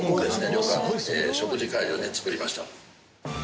旅館の食事会場を作りました。